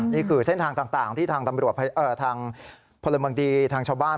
นี่คือเส้นทางต่างที่ทางพลเมืองดีทางชาวบ้าน